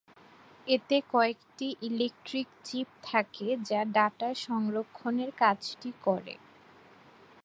এতে কয়েকটি electric chip থাকে যা ডাটা সংরক্ষনের কাজটি করে।